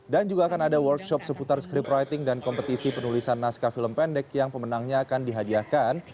dan juga akan ada workshop seputar scriptwriting dan kompetisi penulisan naskah film pendek yang pemenangnya akan dihadiahkan